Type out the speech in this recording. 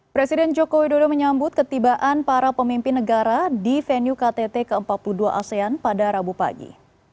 presiden joko widodo menyambut ketibaan para pemimpin negara di venue ktt ke empat puluh dua asean pada rabu pagi